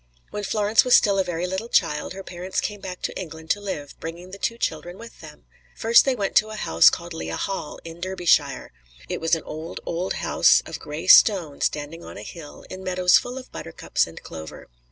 When Florence was still a very little child her parents came back to England to live, bringing the two children with them. First they went to a house called Lea Hall, in Derbyshire. It was an old, old house of gray stone, standing on a hill, in meadows full of buttercups and clover.